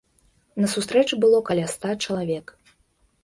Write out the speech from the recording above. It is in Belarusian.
На сустрэчы было каля ста чалавек.